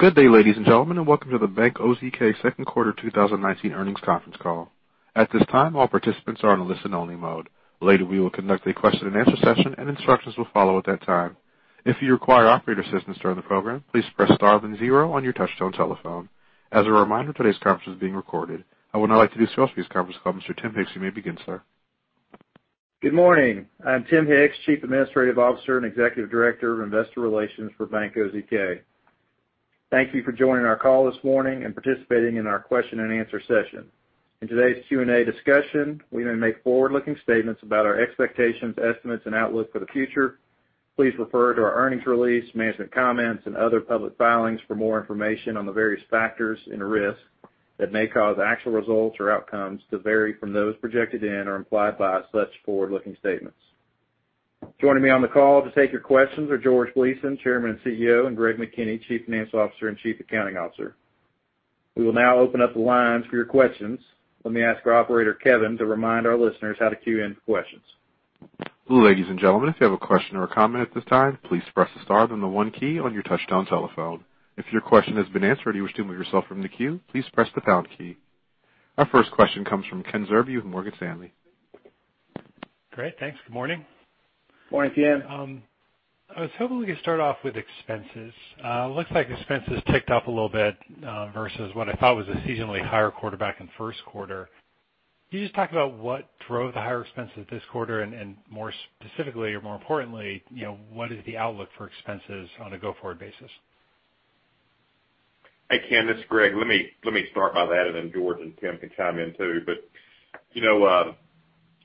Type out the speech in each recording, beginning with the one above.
Good day, ladies and gentlemen, and welcome to the Bank OZK second quarter 2019 earnings conference call. At this time, all participants are in a listen only mode. Later, we will conduct a question and answer session and instructions will follow at that time. If you require operator assistance during the program, please press star then zero on your touchtone telephone. As a reminder, today's conference is being recorded. I would now like to introduce this conference call. Mr. Tim Hicks, you may begin, sir. Good morning. I'm Tim Hicks, Chief Administrative Officer and Executive Director of Investor Relations for Bank OZK. Thank you for joining our call this morning and participating in our question and answer session. In today's Q&A discussion, we may make forward-looking statements about our expectations, estimates, and outlook for the future. Please refer to our earnings release, management comments, and other public filings for more information on the various factors and risks that may cause actual results or outcomes to vary from those projected in or implied by such forward-looking statements. Joining me on the call to take your questions are George Gleason, Chairman and CEO, and Greg McKinney, Chief Financial Officer and Chief Accounting Officer. We will now open up the lines for your questions. Let me ask our operator, Kevin, to remind our listeners how to queue in for questions. Ladies and gentlemen, if you have a question or a comment at this time, please press the star then the one key on your touchtone telephone. If your question has been answered and you wish to remove yourself from the queue, please press the pound key. Our first question comes from Ken Zerbe of Morgan Stanley. Great. Thanks. Good morning. Morning, Ken. I was hoping we could start off with expenses. It looks like expenses ticked up a little bit, versus what I thought was a seasonally higher quarter back in first quarter. Can you just talk about what drove the higher expenses this quarter, and more specifically or more importantly, what is the outlook for expenses on a go-forward basis? Hey, Ken, this is Greg. Let me start on that, and then George and Tim can chime in, too.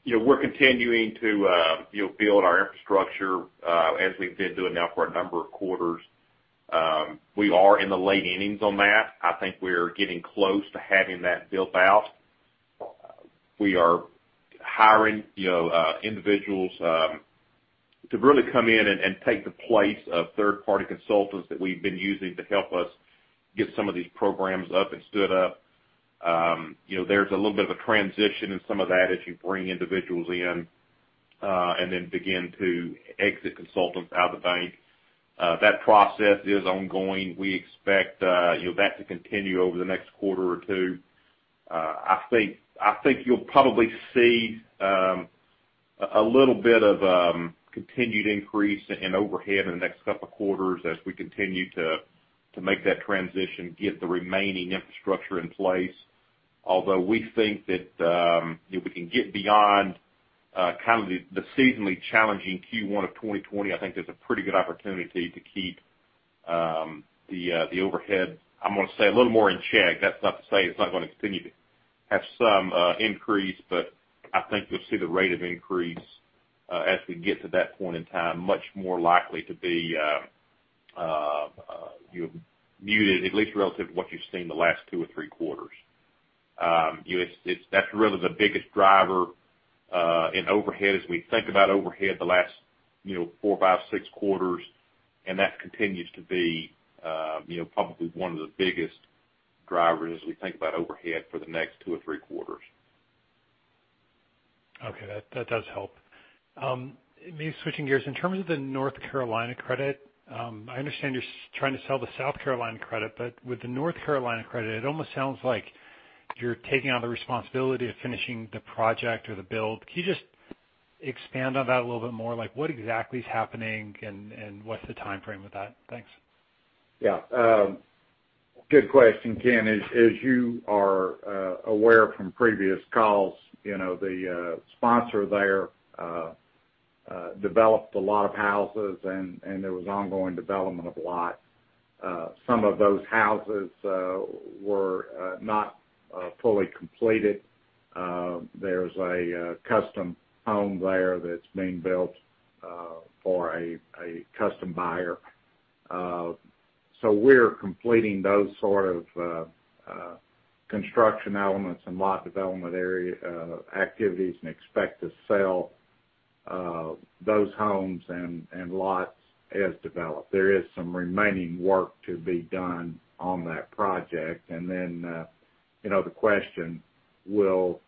We're continuing to build our infrastructure, as we've been doing now for a number of quarters. We are in the late innings on that. I think we're getting close to having that built out. We are hiring individuals to really come in and take the place of third-party consultants that we've been using to help us get some of these programs up and stood up. There's a little bit of a transition in some of that as you bring individuals in, and then begin to exit consultants out of the bank. That process is ongoing. We expect that to continue over the next quarter or two. I think you'll probably see a little bit of continued increase in overhead in the next couple of quarters as we continue to make that transition, get the remaining infrastructure in place. We think that if we can get beyond the seasonally challenging Q1 of 2020, I think there's a pretty good opportunity to keep the overhead, I'm going to say, a little more in check. That's not to say it's not going to continue to have some increase, but I think you'll see the rate of increase, as we get to that point in time, much more likely to be muted, at least relative to what you've seen the last two or three quarters. That's really the biggest driver in overhead as we think about overhead the last four, five, six quarters, and that continues to be probably one of the biggest drivers as we think about overhead for the next two or three quarters. Okay. That does help. Maybe switching gears, in terms of the North Carolina credit, I understand you're trying to sell the South Carolina credit. With the North Carolina credit, it almost sounds like you're taking on the responsibility of finishing the project or the build. Can you just expand on that a little bit more? What exactly is happening, and what's the timeframe with that? Thanks. Yeah. Good question, Ken. As you are aware from previous calls, the sponsor there developed a lot of houses, and there was ongoing development of lots. Some of those houses were not fully completed. There's a custom home there that's being built for a custom buyer. We're completing those sort of construction elements and lot development area activities and expect to sell those homes and lots as developed. There is some remaining work to be done on that project. The question will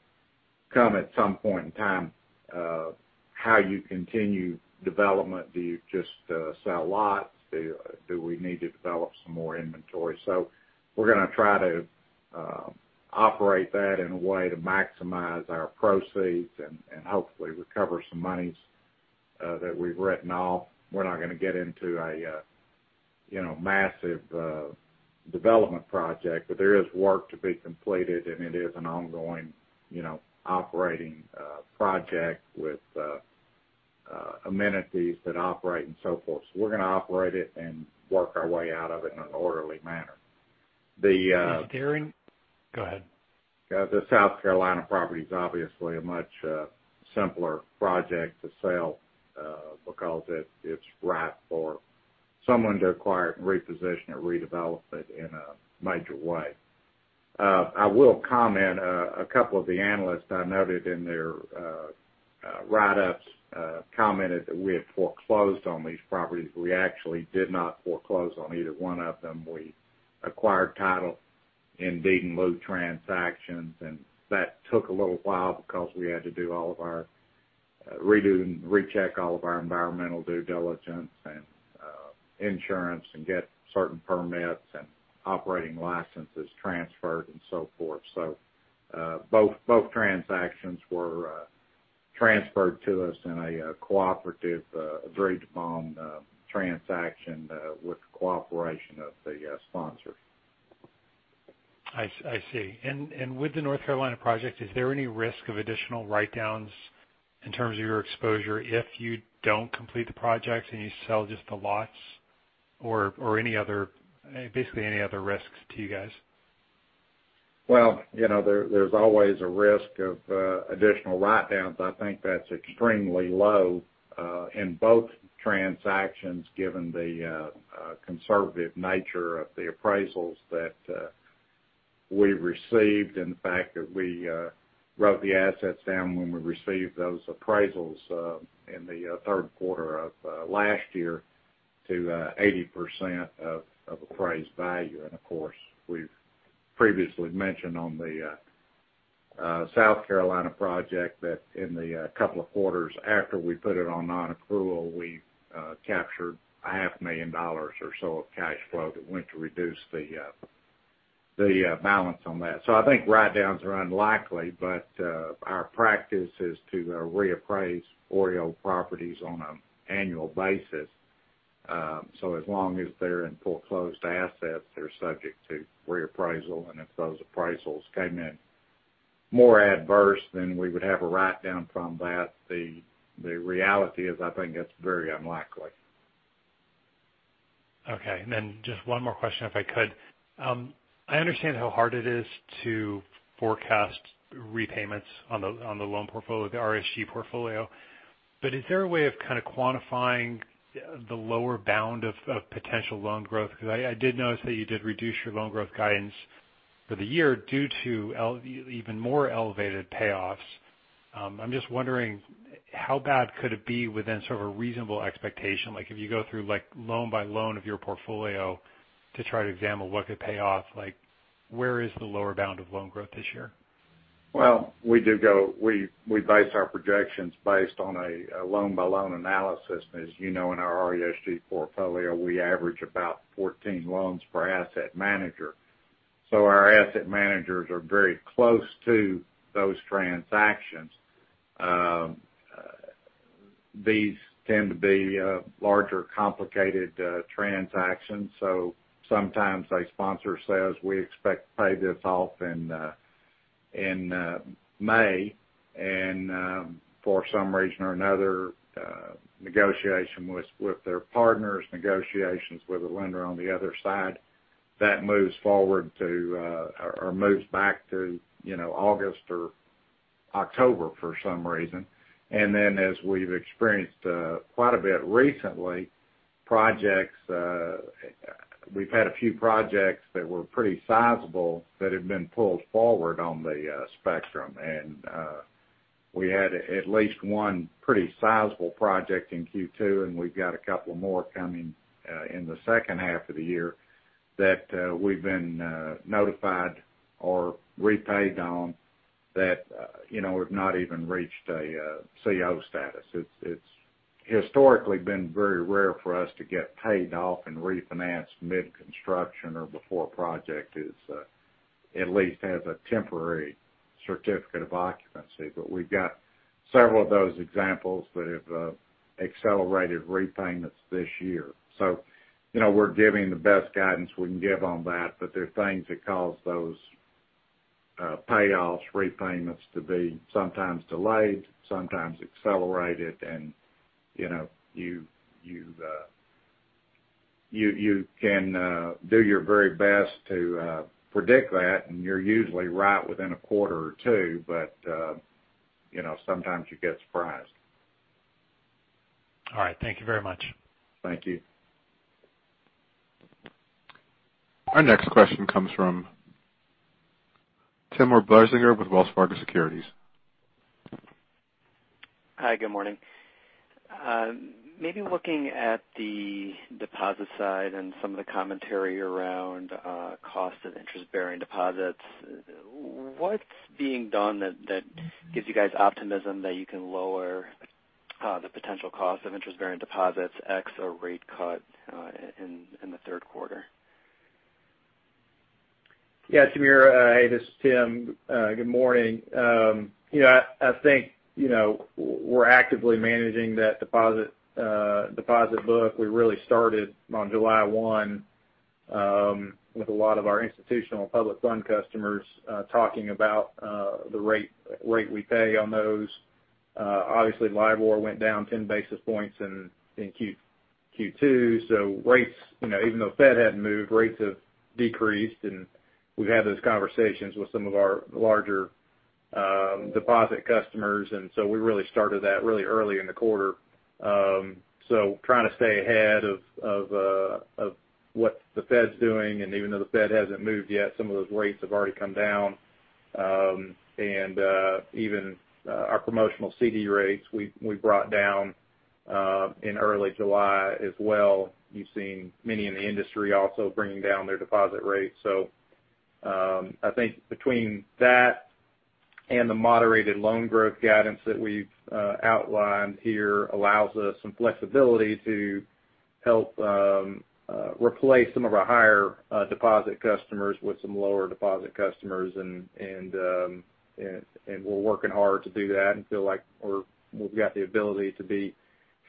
come at some point in time, how you continue development. Do you just sell lots? Do we need to develop some more inventory? We're going to try to operate that in a way to maximize our proceeds and hopefully recover some monies that we've written off. We're not going to get into a massive development project, there is work to be completed, it is an ongoing operating project with amenities that operate and so forth. We're going to operate it and work our way out of it in an orderly manner. Go ahead. The South Carolina property is obviously a much simpler project to sell, because it's ripe for someone to acquire it and reposition it, redevelop it in a major way. I will comment, a couple of the analysts I noted in their write-ups, commented that we had foreclosed on these properties. We actually did not foreclose on either one of them. We acquired title in deed-in-lieu transactions, and that took a little while because we had to do all of our OREO and recheck all of our environmental due diligence and insurance, and get certain permits and operating licenses transferred, and so forth. Both transactions were transferred to us in a cooperative bridge loan transaction with the cooperation of the sponsors. I see. With the North Carolina project, is there any risk of additional write-downs in terms of your exposure if you don't complete the project and you sell just the lots, or basically any other risks to you guys? Well, there's always a risk of additional write-downs. I think that's extremely low in both transactions, given the conservative nature of the appraisals that we received and the fact that we wrote the assets down when we received those appraisals in the third quarter of last year to 80% of appraised value. Of course, we've previously mentioned on the South Carolina project that in the couple of quarters after we put it on non-accrual, we captured a $500,000 or so of cash flow that went to reduce the balance on that. I think write-downs are unlikely, but our practice is to reappraise OREO properties on an annual basis. As long as they're in foreclosed assets, they're subject to reappraisal, and if those appraisals came in more adverse, then we would have a write-down from that. The reality is, I think that's very unlikely. Okay, just one more question, if I could. I understand how hard it is to forecast repayments on the loan portfolio, the RESG portfolio. Is there a way of kind of quantifying the lower bound of potential loan growth? I did notice that you did reduce your loan growth guidance for the year due to even more elevated payoffs. I'm just wondering how bad could it be within sort of a reasonable expectation, like if you go through loan by loan of your portfolio to try to examine what could pay off, where is the lower bound of loan growth this year? Well, we base our projections based on a loan-by-loan analysis. As you know, in our RESG portfolio, we average about 14 loans per asset manager. Our asset managers are very close to those transactions. These tend to be larger, complicated transactions, so sometimes a sponsor says, "We expect to pay this off in May," and for some reason or another, negotiation with their partners, negotiations with the lender on the other side, that moves forward to or moves back to August or October for some reason. As we've experienced quite a bit recently, we've had a few projects that were pretty sizable that have been pulled forward on the spectrum. We had at least one pretty sizable project in Q2, and we've got a couple more coming in the second half of the year that we've been notified or repaid on that have not even reached a CO status. It's historically been very rare for us to get paid off and refinance mid-construction or before a project at least has a temporary certificate of occupancy. We've got several of those examples that have accelerated repayments this year. We're giving the best guidance we can give on that, but there are things that cause those payoffs, repayments to be sometimes delayed, sometimes accelerated, and you can do your very best to predict that, and you're usually right within a quarter or two, but sometimes you get surprised. All right. Thank you very much. Thank you. Our next question comes from Timur Braziler with Wells Fargo Securities. Hi, good morning. Maybe looking at the deposit side and some of the commentary around cost of interest-bearing deposits, what's being done that gives you guys optimism that you can lower the potential cost of interest-bearing deposits ex a rate cut in the third quarter? Timur, hey, this is Tim. Good morning. I think we're actively managing that deposit book. We really started on July 1 with a lot of our institutional public fund customers talking about the rate we pay on those. Obviously, LIBOR went down 10 basis points in Q2, even though Fed hadn't moved, rates have decreased, and we've had those conversations with some of our larger deposit customers. We really started that really early in the quarter. Trying to stay ahead of what the Fed's doing, and even though the Fed hasn't moved yet, some of those rates have already come down. Even our promotional CD rates we brought down in early July as well. You've seen many in the industry also bringing down their deposit rates. I think between that and the moderated loan growth guidance that we've outlined here allows us some flexibility to help replace some of our higher deposit customers with some lower deposit customers and we're working hard to do that and feel like we've got the ability to be,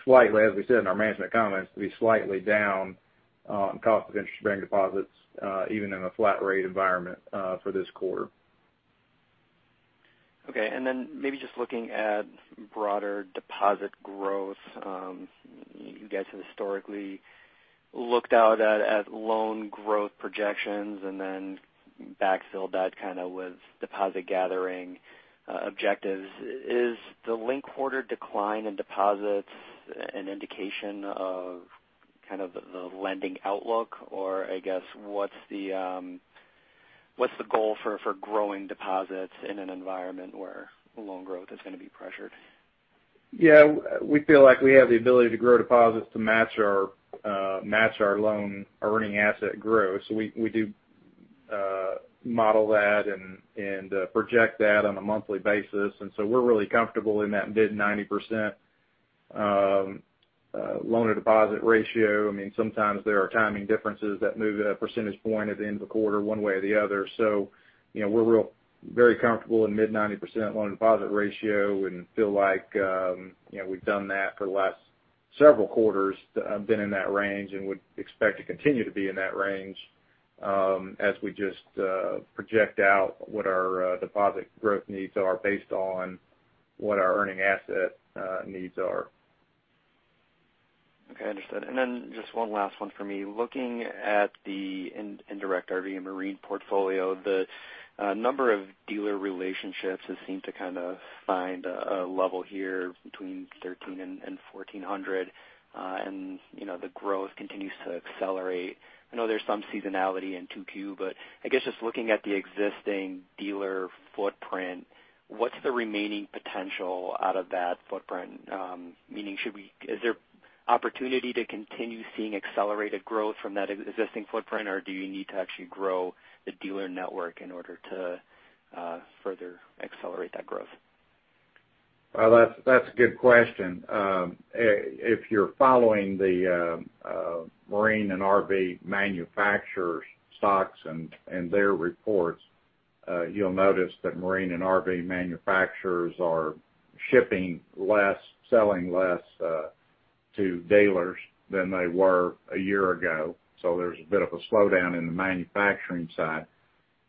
as we said in our management comments, to be slightly down on cost of interest-bearing deposits, even in a flat rate environment, for this quarter. Okay. Maybe just looking at broader deposit growth, you guys have historically looked out at loan growth projections and then backfilled that kind of with deposit gathering objectives. Is the linked quarter decline in deposits an indication of kind of the lending outlook? What's the goal for growing deposits in an environment where loan growth is going to be pressured? Yeah. We feel like we have the ability to grow deposits to match our loan earning asset growth. We do model that and project that on a monthly basis. We're really comfortable in that mid-90% loan-to-deposit ratio. Sometimes there are timing differences that move that percentage point at the end of the quarter one way or the other. We're very comfortable in mid-90% loan-to-deposit ratio and feel like we've done that for the last several quarters, been in that range and would expect to continue to be in that range, as we just project out what our deposit growth needs are based on what our earning asset needs are. Okay, understood. Just one last one for me. Looking at the indirect RV and marine portfolio, the number of dealer relationships has seemed to kind of find a level here between 13 and 1,400. The growth continues to accelerate. I know there's some seasonality in 2Q, I guess just looking at the existing dealer footprint, what's the remaining potential out of that footprint? Meaning, is there opportunity to continue seeing accelerated growth from that existing footprint, or do you need to actually grow the dealer network in order to further accelerate that growth? Well, that's a good question. If you're following the marine and RV manufacturers stocks and their reports, you'll notice that marine and RV manufacturers are shipping less, selling less to dealers than they were a year ago. There's a bit of a slowdown in the manufacturing side.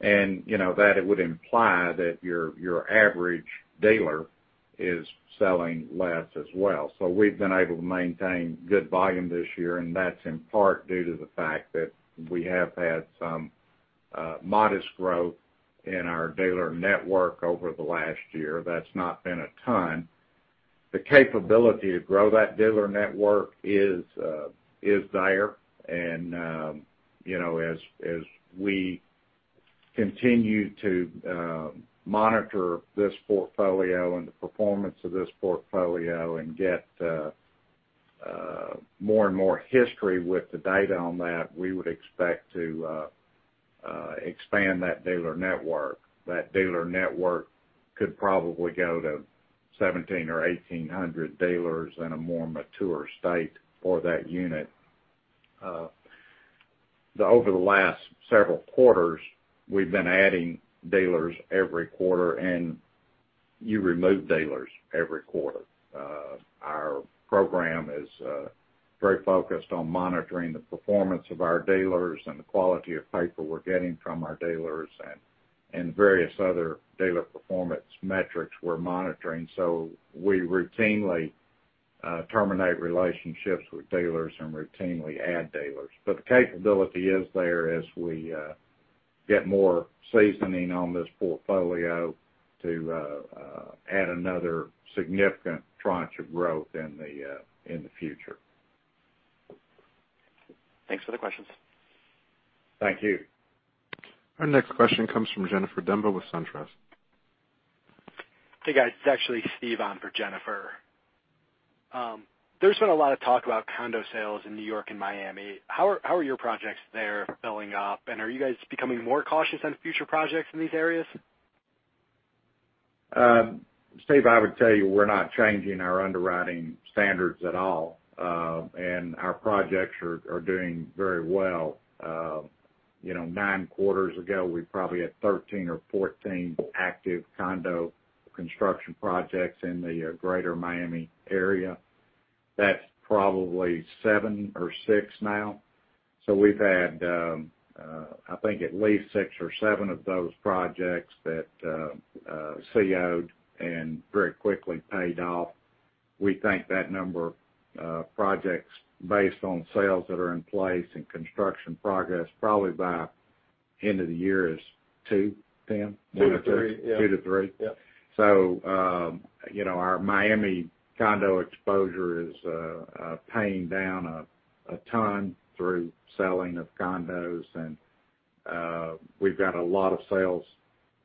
That it would imply that your average dealer is selling less as well. We've been able to maintain good volume this year, and that's in part due to the fact that we have had some modest growth in our dealer network over the last year. That's not been a ton. The capability to grow that dealer network is there. As we continue to monitor this portfolio and the performance of this portfolio and get more and more history with the data on that, we would expect to expand that dealer network. That dealer network could probably go to 1,700 or 1,800 dealers in a more mature state for that unit. Over the last several quarters, we've been adding dealers every quarter, and you remove dealers every quarter. Our program is very focused on monitoring the performance of our dealers and the quality of paper we're getting from our dealers and various other dealer performance metrics we're monitoring. We routinely terminate relationships with dealers and routinely add dealers. The capability is there as we get more seasoning on this portfolio to add another significant tranche of growth in the future. Thanks for the questions. Thank you. Our next question comes from Jennifer Demba with SunTrust. Hey, guys. It's actually Steve on for Jennifer. There's been a lot of talk about condo sales in New York and Miami. How are your projects there filling up, and are you guys becoming more cautious on future projects in these areas? Steve, I would tell you we're not changing our underwriting standards at all. Our projects are doing very well. Nine quarters ago, we probably had 13 or 14 active condo construction projects in the greater Miami area. That's probably seven or six now. We've had, I think at least six or seven of those projects that CO'd and very quickly paid off. We think that number of projects based on sales that are in place and construction progress, probably by end of the year is two, Tim? Two to three, yeah. Two to three. Yep. Our Miami condo exposure is paying down a ton through selling of condos, and we've got a lot of sales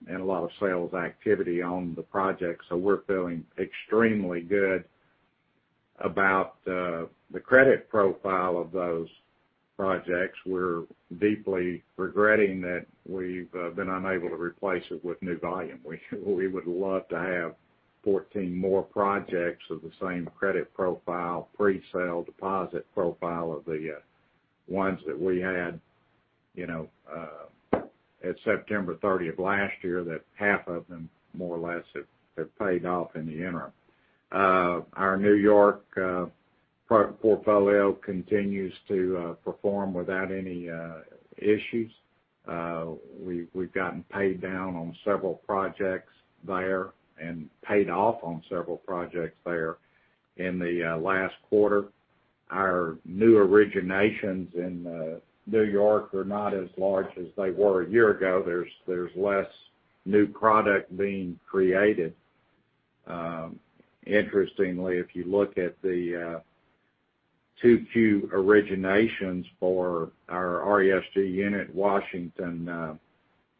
and a lot of sales activity on the project. We're feeling extremely good about the credit profile of those projects, we're deeply regretting that we've been unable to replace it with new volume. We would love to have 14 more projects of the same credit profile, presale deposit profile of the ones that we had at September 30th last year, that half of them, more or less, have paid off in the interim. Our New York portfolio continues to perform without any issues. We've gotten paid down on several projects there and paid off on several projects there in the last quarter. Our new originations in New York are not as large as they were a year ago. There's less new product being created. Interestingly, if you look at the Q2 originations for our RESG unit, Washington,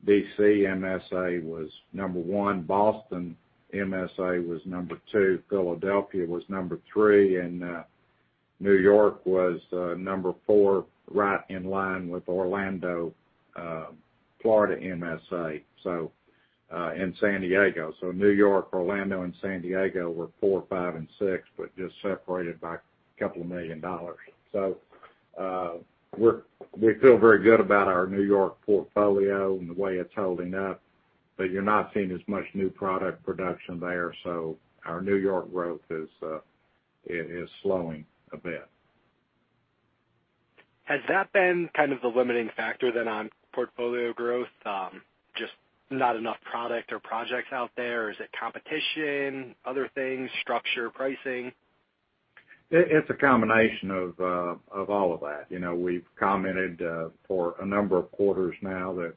D.C. MSA was number one, Boston MSA was number two, Philadelphia was number three, and New York was number four, right in line with Orlando, Florida MSA and San Diego. New York, Orlando, and San Diego were four, five, and six, but just separated by a couple of million dollars. We feel very good about our New York portfolio and the way it's holding up, but you're not seeing as much new product production there. Our New York growth is slowing a bit. Has that been kind of the limiting factor then on portfolio growth? Just not enough product or projects out there? Is it competition, other things, structure, pricing? It's a combination of all of that. We've commented for a number of quarters now that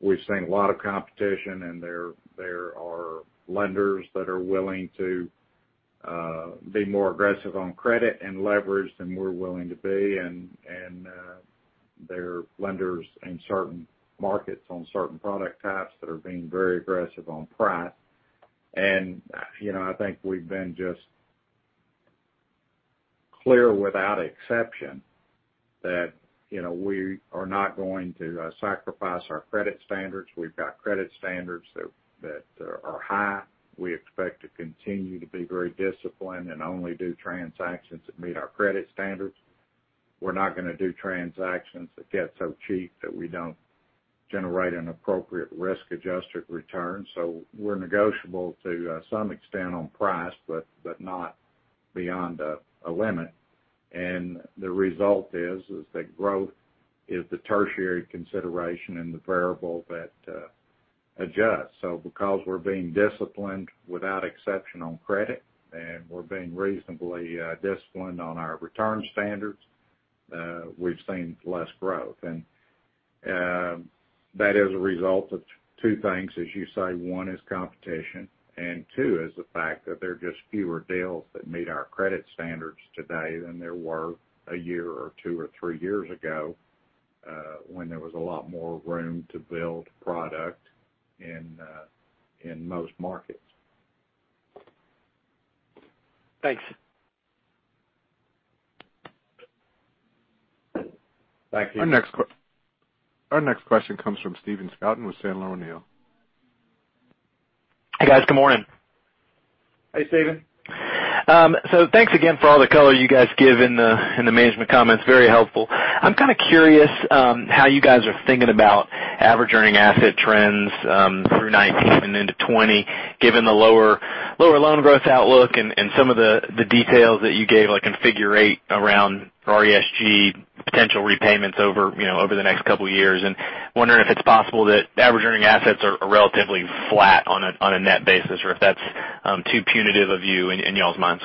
we've seen a lot of competition in there. There are lenders that are willing to be more aggressive on credit and leverage than we're willing to be. There are lenders in certain markets on certain product types that are being very aggressive on price. I think we've been just clear without exception that we are not going to sacrifice our credit standards. We've got credit standards that are high. We expect to continue to be very disciplined and only do transactions that meet our credit standards. We're not going to do transactions that get so cheap that we don't generate an appropriate risk-adjusted return. We're negotiable to some extent on price, but not beyond a limit. The result is that growth is the tertiary consideration and the variable that adjusts. Because we're being disciplined without exception on credit, and we're being reasonably disciplined on our return standards, we've seen less growth. That is a result of two things, as you say. One is competition, and two is the fact that there are just fewer deals that meet our credit standards today than there were a year or two or three years ago, when there was a lot more room to build product in most markets. Thanks. Thank you. Our next question comes from Stephen Scouten with Sandler O'Neill. Hey, guys. Good morning. Hey, Stephen. Thanks again for all the color you guys give in the management comments. Very helpful. I'm kind of curious how you guys are thinking about average earning asset trends through 2019 and into 2020, given the lower loan growth outlook and some of the details that you gave, like in figure eight, around RESG potential repayments over the next couple of years. Wondering if it's possible that average earning assets are relatively flat on a net basis, or if that's too punitive a view in y'all's minds.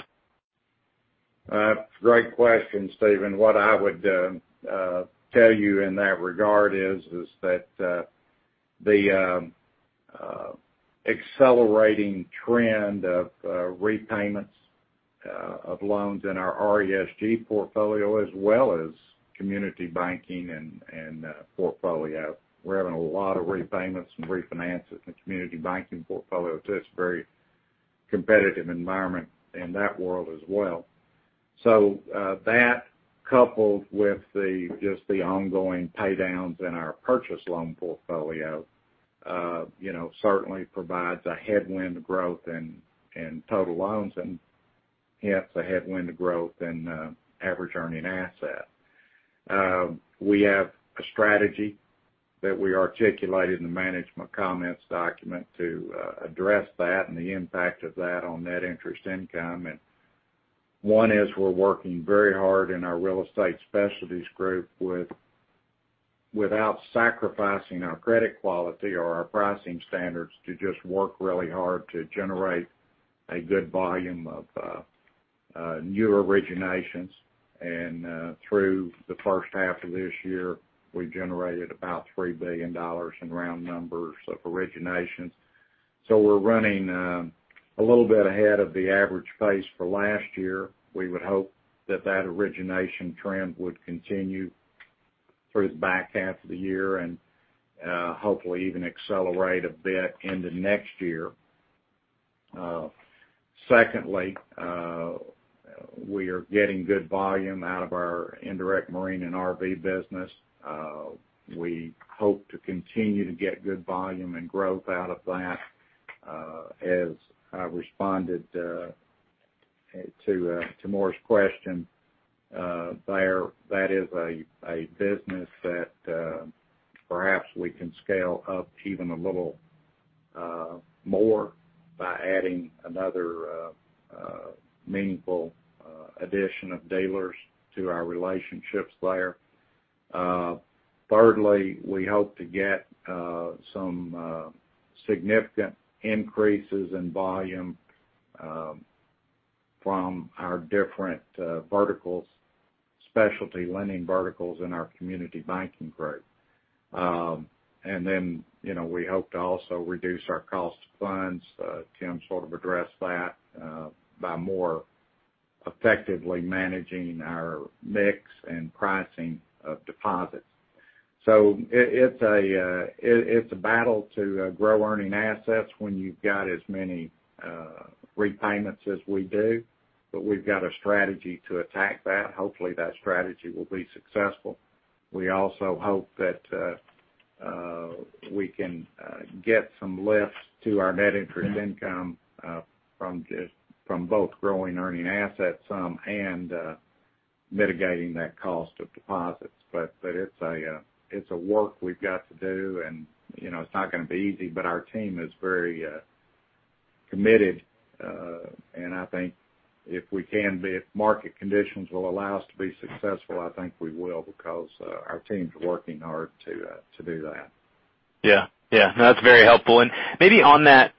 Great question, Stephen. What I would tell you in that regard is that the accelerating trend of repayments of loans in our RESG portfolio as well as community banking and portfolio. We're having a lot of repayments and refinances in the community banking portfolio, too. It's a very competitive environment in that world as well. That, coupled with just the ongoing paydowns in our purchase loan portfolio certainly provides a headwind to growth in total loans and, hence, a headwind to growth in average earning asset. We have a strategy that we articulated in the management comments document to address that and the impact of that on net interest income. One is we're working very hard in our real estate specialties group without sacrificing our credit quality or our pricing standards to just work really hard to generate a good volume of new originations. Through the first half of this year, we generated about $3 billion in round numbers of originations. We're running a little bit ahead of the average pace for last year. We would hope that that origination trend would continue through the back half of the year, and hopefully even accelerate a bit into next year. Secondly, we are getting good volume out of our indirect marine and RV business. We hope to continue to get good volume and growth out of that. As I responded to Timur's question, there, that is a business that perhaps we can scale up even a little more by adding another meaningful addition of dealers to our relationships there. Thirdly, we hope to get some significant increases in volume from our different verticals, specialty lending verticals in our community banking group. Then we hope to also reduce our cost of funds, Tim sort of addressed that, by more effectively managing our mix and pricing of deposits. It's a battle to grow earning assets when you've got as many repayments as we do. We've got a strategy to attack that. Hopefully, that strategy will be successful. We also hope that we can get some lift to our net interest income from both growing earning assets some and mitigating that cost of deposits. It's a work we've got to do and it's not going to be easy. Our team is very committed. I think if we can be, if market conditions will allow us to be successful, I think we will, because our team's working hard to do that. Yeah. That's very helpful. Maybe on that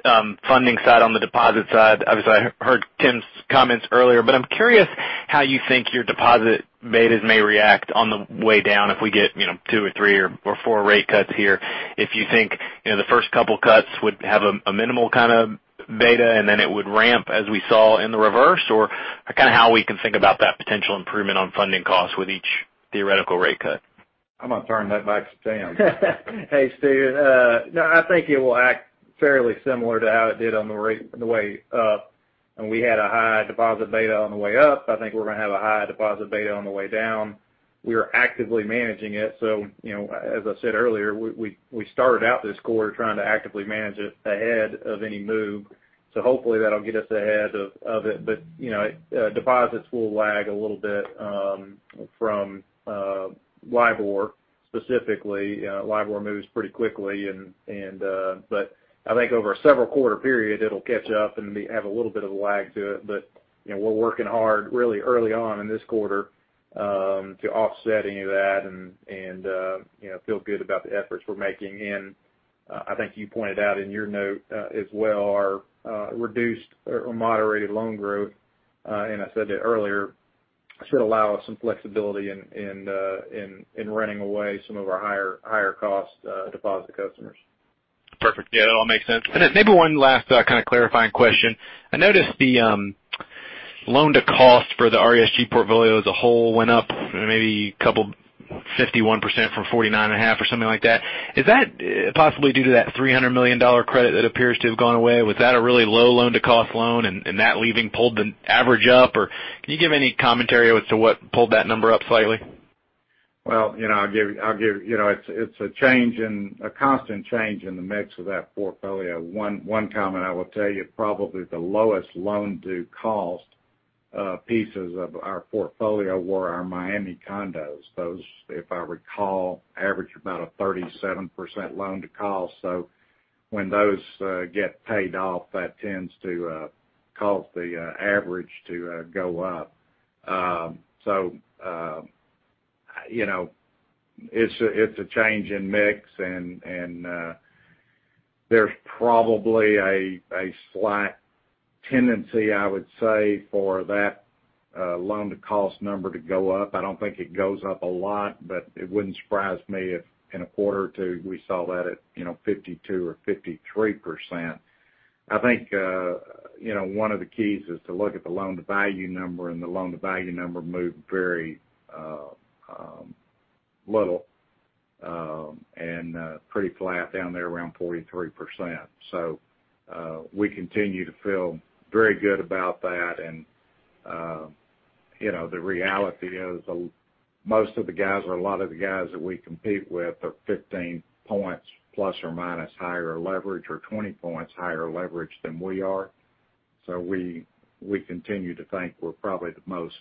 funding side, on the deposit side, obviously, I heard Tim's comments earlier, but I'm curious how you think your deposit betas may react on the way down if we get two or three or four rate cuts here. If you think the first couple of cuts would have a minimal kind of beta, and then it would ramp as we saw in the reverse, or kind of how we can think about that potential improvement on funding costs with each theoretical rate cut? I'm going to turn that back to Tim. Hey, Stephen. I think it will act fairly similar to how it did on the way up. We had a high deposit beta on the way up. I think we're going to have a high deposit beta on the way down. We are actively managing it. As I said earlier, we started out this quarter trying to actively manage it ahead of any move. Hopefully that'll get us ahead of it. Deposits will lag a little bit from LIBOR specifically. LIBOR moves pretty quickly. I think over a several quarter period, it'll catch up and have a little bit of a lag to it. We're working hard really early on in this quarter to offset any of that and feel good about the efforts we're making. I think you pointed out in your note as well, our reduced or moderated loan growth, and I said it earlier, should allow us some flexibility in running away some of our higher cost deposit customers. Perfect. Yeah, that all makes sense. Then maybe one last kind of clarifying question. I noticed the loan to cost for the RESG portfolio as a whole went up maybe couple 51% from 49.5% or something like that. Is that possibly due to that $300 million credit that appears to have gone away? Was that a really low loan to cost loan and that leaving pulled the average up? Can you give any commentary as to what pulled that number up slightly? Well, it's a constant change in the mix of that portfolio. One comment I will tell you, probably the lowest loan to cost pieces of our portfolio were our Miami condos. Those, if I recall, average about a 37% loan to cost. When those get paid off, that tends to cause the average to go up. It's a change in mix and there's probably a slight tendency, I would say, for that loan to cost number to go up. I don't think it goes up a lot, but it wouldn't surprise me if in a quarter or two we saw that at 52% or 53%. I think one of the keys is to look at the loan to value number, and the loan to value number moved very little, and pretty flat down there around 43%. We continue to feel very good about that. The reality is most of the guys, or a lot of the guys that we compete with are 15 points ± higher leverage, or 20 points higher leverage than we are. We continue to think we're probably the most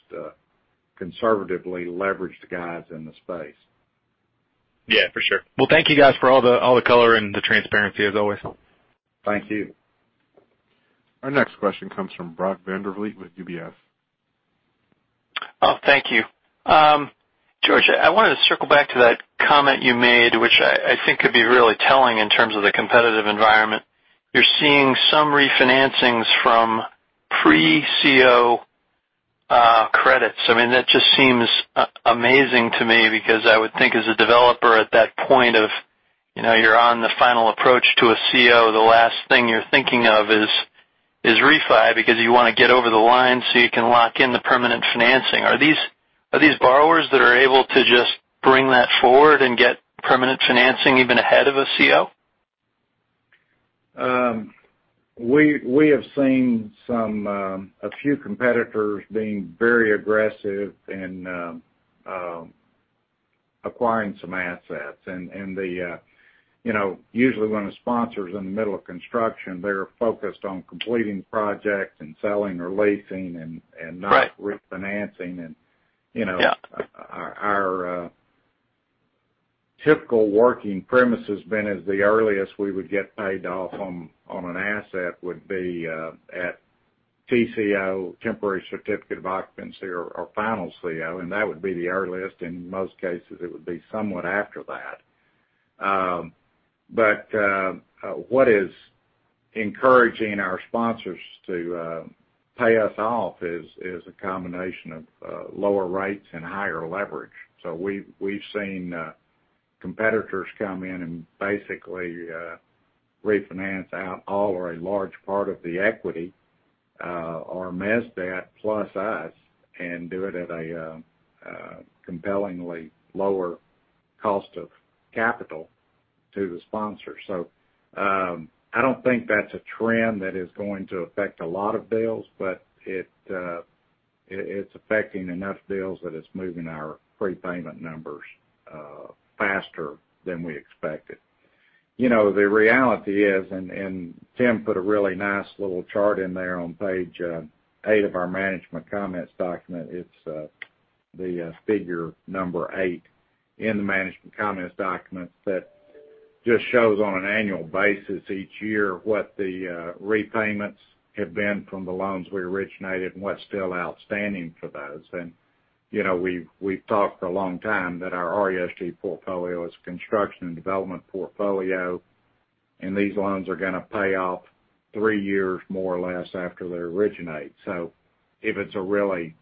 conservatively leveraged guys in the space. Yeah, for sure. Well, thank you guys for all the color and the transparency as always. Thank you. Our next question comes from Brock Vandervliet with UBS. Oh, thank you. George, I wanted to circle back to that comment you made, which I think could be really telling in terms of the competitive environment. You're seeing some refinancings from pre-CO credits. I mean, that just seems amazing to me because I would think as a developer at that point, you're on the final approach to a CO. The last thing you're thinking of is refi, because you want to get over the line so you can lock in the permanent financing. Are these borrowers that are able to just bring that forward and get permanent financing even ahead of a CO? We have seen a few competitors being very aggressive in acquiring some assets. Usually when a sponsor's in the middle of construction, they're focused on completing projects and selling or leasing. Right. Not refinancing and. Yeah. Our typical working premise has been is the earliest we would get paid off on an asset would be at TCO, temporary certificate of occupancy, or final CO, and that would be the earliest. In most cases, it would be somewhat after that. What is encouraging our sponsors to pay us off is a combination of lower rates and higher leverage. We've seen competitors come in and basically refinance out all or a large part of the equity, or mez debt plus us, and do it at a compellingly lower cost of capital to the sponsor. I don't think that's a trend that is going to affect a lot of deals, but it's affecting enough deals that it's moving our prepayment numbers faster than we expected. The reality is, Tim put a really nice little chart in there on page eight of our management comments document. It's the figure number eight in the management comments document that just shows on an annual basis each year what the repayments have been from the loans we originated and what's still outstanding for those. We've talked a long time that our RESG portfolio is a construction and development portfolio, and these loans are going to pay off three years, more or less, after they originate. If it's a really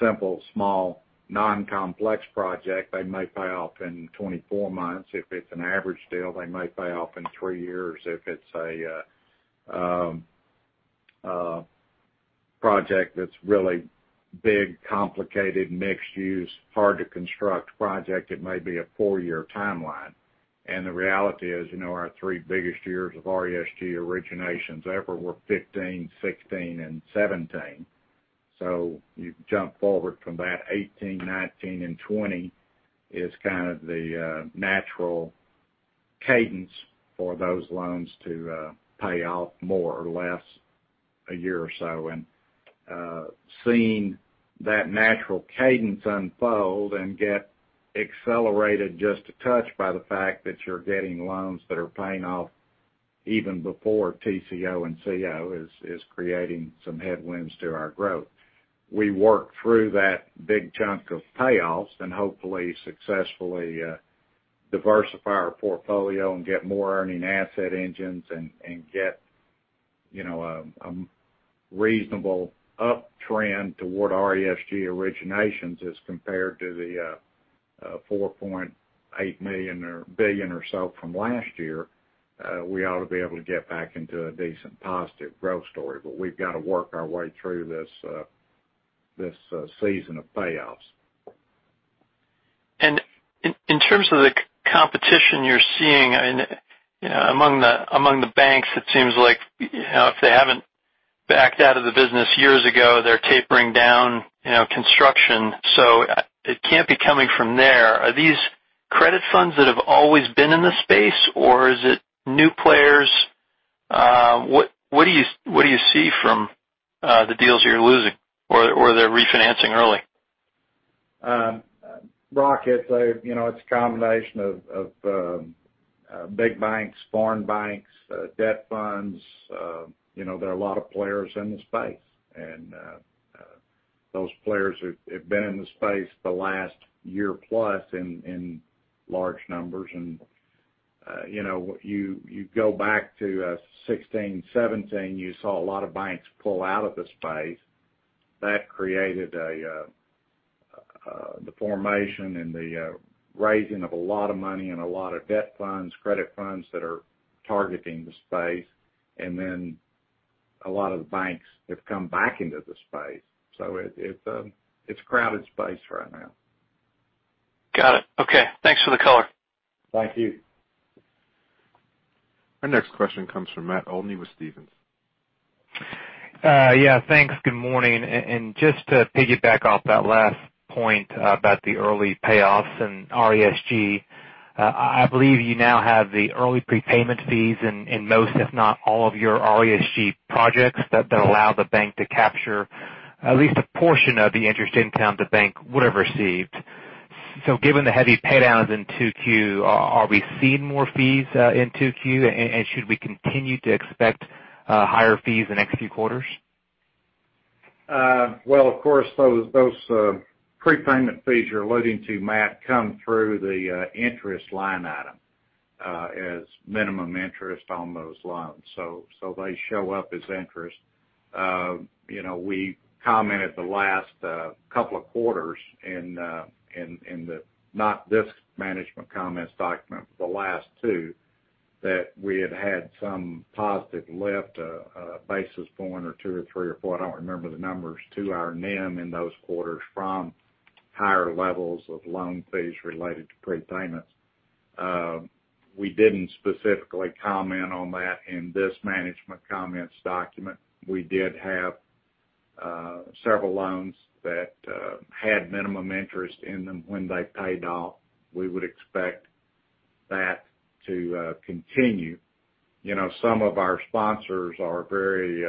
simple, small, non-complex project, they may pay off in 24 months. If it's an average deal, they may pay off in three years. If it's a project that's really big, complicated, mixed use, hard to construct project, it may be a four-year timeline. The reality is, our three biggest years of RESG originations ever were 2015, 2016, and 2017. You jump forward from that, 2018, 2019, and 2020 is kind of the natural cadence for those loans to pay off more or less a year or so. Seeing that natural cadence unfold and get accelerated just a touch by the fact that you're getting loans that are paying off even before TCO and CO is creating some headwinds to our growth. We work through that big chunk of payoffs and hopefully successfully diversify our portfolio and get more earning asset engines and get a reasonable uptrend toward RESG originations as compared to the $4.8 million or billion or so from last year. We ought to be able to get back into a decent positive growth story. We've got to work our way through this season of payoffs. In terms of the competition you're seeing, among the banks, it seems like if they haven't backed out of the business years ago, they're tapering down construction. It can't be coming from there. Are these credit funds that have always been in the space, or is it new players? What do you see from the deals you're losing, or they're refinancing early? Brock, it's a combination of big banks, foreign banks, debt funds. There are a lot of players in the space. Those players have been in the space the last year plus in large numbers. You go back to 2016, 2017, you saw a lot of banks pull out of the space. That created the formation and the raising of a lot of money and a lot of debt funds, credit funds that are targeting the space. A lot of the banks have come back into the space. It's a crowded space right now. Got it. Okay. Thanks for the color. Thank you. Our next question comes from Matt Olney with Stephens. Yeah, thanks. Good morning. Just to piggyback off that last point about the early payoffs in RESG, I believe you now have the early prepayment fees in most, if not all of your RESG projects that allow the bank to capture at least a portion of the interest income the bank would have received. Given the heavy pay downs in 2Q, are we seeing more fees in 2Q, and should we continue to expect higher fees the next few quarters? Well, of course, those prepayment fees you're alluding to, Matt, come through the interest line item as minimum interest on those loans. They show up as interest. We commented the last couple of quarters in the, not this management comments document, but the last two, that we had had some positive lift basis, one or two or three or four, I don't remember the numbers, to our NIM in those quarters from higher levels of loan fees related to prepayments. We didn't specifically comment on that in this management comments document. We did have several loans that had minimum interest in them when they paid off. We would expect that to continue. Some of our sponsors are very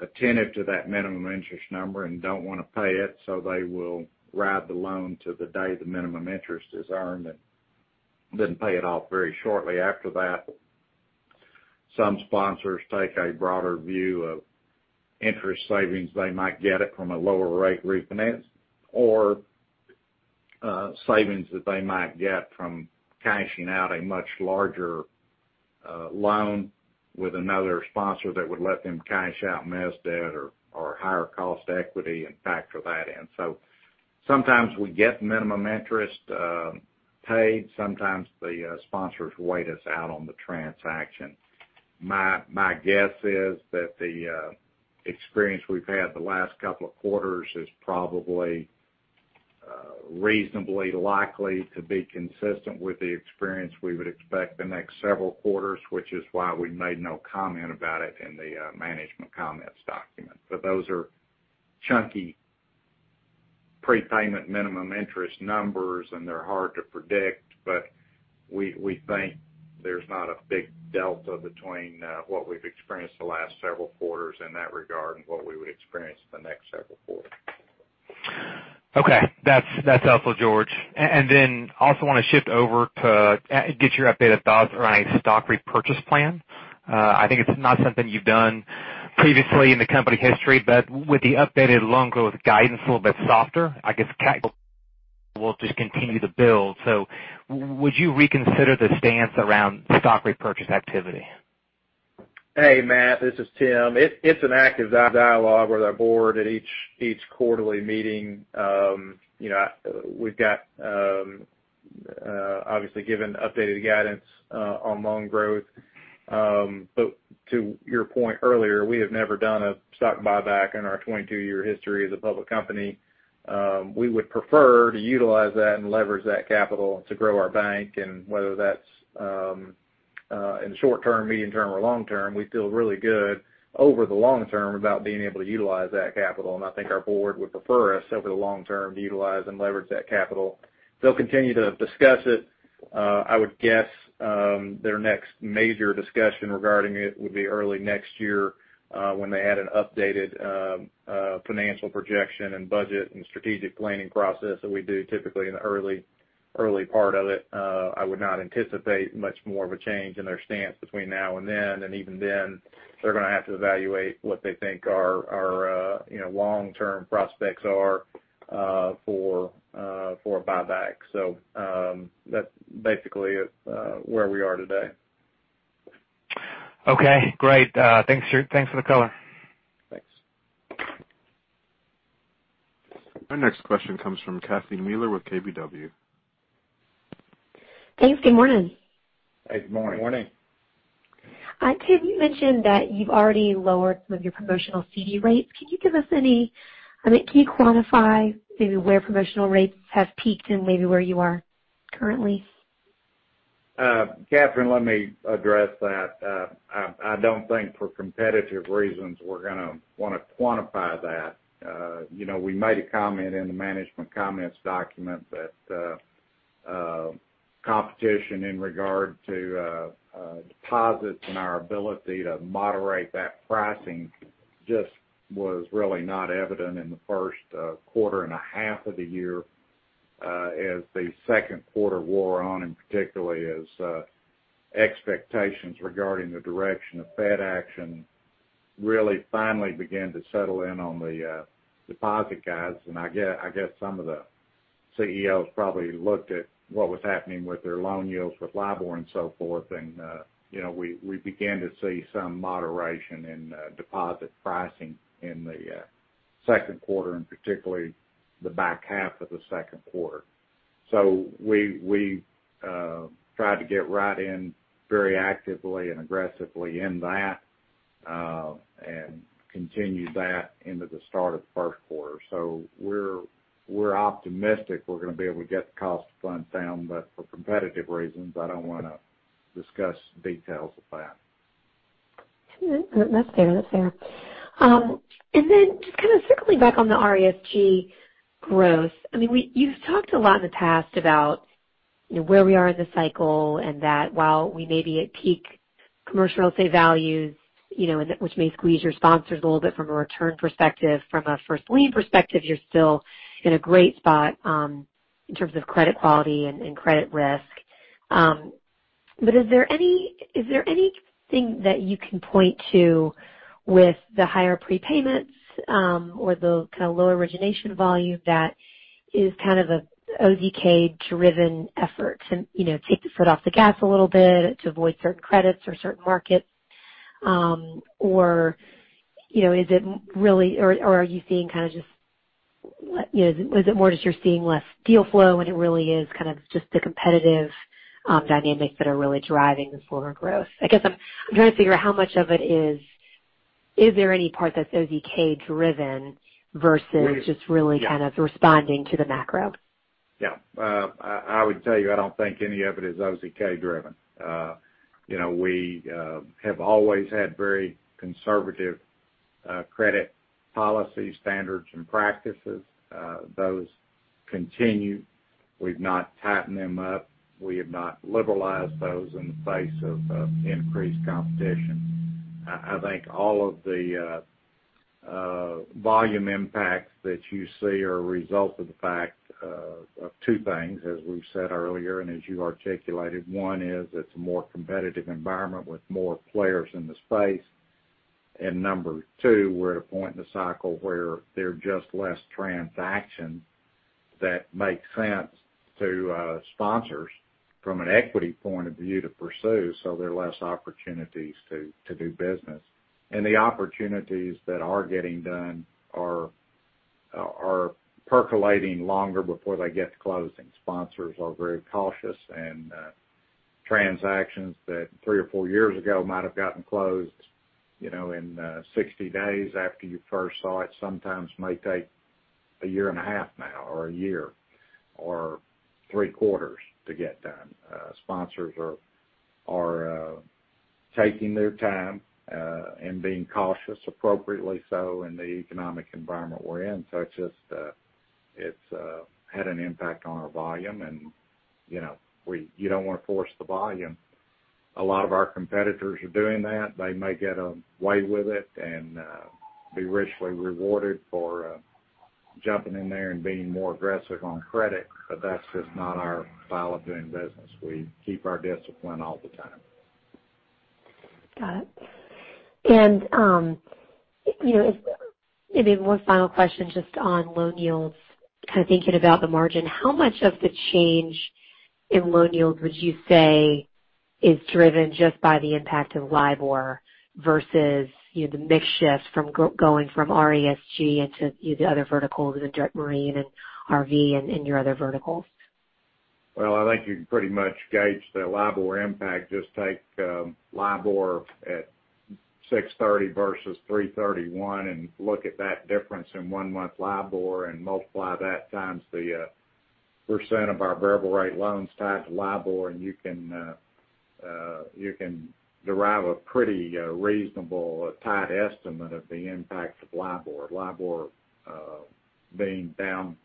attentive to that minimum interest number and don't want to pay it, so they will ride the loan to the day the minimum interest is earned and then pay it off very shortly after that. Some sponsors take a broader view of interest savings they might get it from a lower rate refinance or savings that they might get from cashing out a much larger loan with another sponsor that would let them cash out mezz debt or higher cost equity and factor that in. Sometimes we get minimum interest paid, sometimes the sponsors wait us out on the transaction. My guess is that the experience we've had the last couple of quarters is probably reasonably likely to be consistent with the experience we would expect the next several quarters, which is why we made no comment about it in the management comments document. Those are chunky prepayment minimum interest numbers, and they're hard to predict. We think there's not a big delta between what we've experienced the last several quarters in that regard and what we would experience the next several quarters. Okay. That's helpful, George. Also want to shift over to get your updated thoughts around a stock repurchase plan. I think it's not something you've done previously in the company history, but with the updated loan growth guidance a little bit softer, I guess capital will just continue to build. Would you reconsider the stance around stock repurchase activity? Hey, Matt, this is Tim. It's an active dialogue with our board at each quarterly meeting. We've got, obviously given updated guidance on loan growth. To your point earlier, we have never done a stock buyback in our 22-year history as a public company. We would prefer to utilize that and leverage that capital to grow our bank, whether that's in short-term, medium-term, or long-term, we feel really good over the long term about being able to utilize that capital. I think our board would prefer us over the long term to utilize and leverage that capital. They'll continue to discuss it. I would guess their next major discussion regarding it would be early next year, when they add an updated financial projection and budget and strategic planning process that we do typically in the early part of it. I would not anticipate much more of a change in their stance between now and then. Even then, they're going to have to evaluate what they think our long-term prospects are for a buyback. That basically is where we are today. Okay, great. Thanks for the color. Our next question comes from Catherine Mealor with KBW. Thanks. Good morning. Hey, good morning. Good morning. Tim, you mentioned that you've already lowered some of your promotional CD rates. Can you quantify maybe where promotional rates have peaked and maybe where you are currently? Catherine, let me address that. I don't think for competitive reasons we're going to want to quantify that. We made a comment in the management comments document that competition in regard to deposits and our ability to moderate that pricing just was really not evident in the first quarter and a half of the year, as the second quarter wore on, and particularly as expectations regarding the direction of Fed action really finally began to settle in on the deposit guides. I guess some of the CEOs probably looked at what was happening with their loan yields with LIBOR and so forth, and we began to see some moderation in deposit pricing in the second quarter, and particularly the back half of the second quarter. We tried to get right in very actively and aggressively in that, and continued that into the start of the first quarter. We're optimistic we're going to be able to get the cost of funds down, but for competitive reasons, I don't want to discuss details of that. That's fair. Just kind of circling back on the RESG growth. You've talked a lot in the past about where we are in the cycle and that while we may be at peak commercial real estate values, which may squeeze your sponsors a little bit from a return perspective, from a first lien perspective, you're still in a great spot in terms of credit quality and credit risk. Is there anything that you can point to with the higher prepayments, or the kind of lower origination volume that is kind of a OZK-driven effort to take the foot off the gas a little bit to avoid certain credits or certain markets. Are you seeing less deal flow, and it really is kind of just the competitive dynamics that are really driving the slower growth? I guess I'm trying to figure out how much of it is there any part that's OZK driven versus just really kind of responding to the macro? Yeah. I would tell you, I don't think any of it is OZK driven. We have always had very conservative credit policy standards and practices. Those continue. We've not tightened them up. We have not liberalized those in the face of increased competition. I think all of the volume impacts that you see are a result of the fact of two things, as we've said earlier and as you articulated. One is it's a more competitive environment with more players in the space. Number two, we're at a point in the cycle where there are just less transactions that make sense to sponsors from an equity point of view to pursue, so there are less opportunities to do business. The opportunities that are getting done are percolating longer before they get to closing. Sponsors are very cautious. Transactions that three or four years ago might have gotten closed in 60 days after you first saw it, sometimes may take a year and a half now, or a year, or three quarters to get done. Sponsors are taking their time and being cautious, appropriately so, in the economic environment we're in. It's had an impact on our volume and you don't want to force the volume. A lot of our competitors are doing that. They may get away with it and be richly rewarded for jumping in there and being more aggressive on credit. That's just not our style of doing business. We keep our discipline all the time. Got it. Maybe one final question just on loan yields, kind of thinking about the margin. How much of the change in loan yields would you say is driven just by the impact of LIBOR versus the mix shift from going from RESG into the other verticals, the direct marine and RV, and your other verticals? Well, I think you can pretty much gauge the LIBOR impact. Just take LIBOR at 630 versus 331 and look at that difference in one-month LIBOR and multiply that times the percent of our variable-rate loans tied to LIBOR, and you can derive a pretty reasonable tight estimate of the impact of LIBOR. LIBOR being down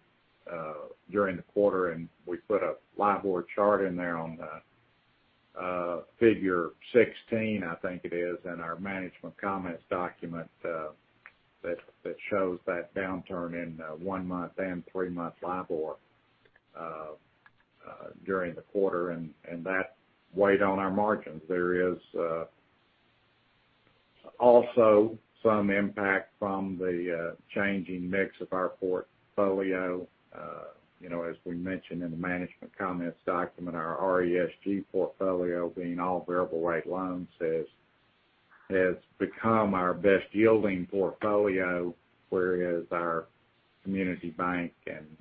during the quarter, and we put a LIBOR chart in there on figure 16, I think it is, in our management comments document, that shows that downturn in one-month and three-month LIBOR during the quarter, and that weighed on our margins. There is also some impact from the changing mix of our portfolio. As we mentioned in the management comments document, our RESG portfolio, being all variable-rate loans, has become our best yielding portfolio, whereas our community bank and